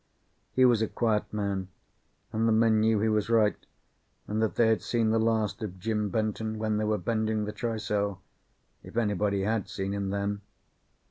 He was a quiet man, and the men knew he was right, and that they had seen the last of Jim Benton when they were bending the trysail if anybody had seen him then.